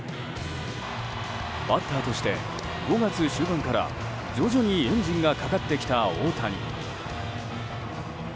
バッターとして５月終盤から徐々にエンジンがかかってきた大谷。